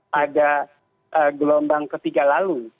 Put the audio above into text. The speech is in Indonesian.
pada gelombang ketiga lalu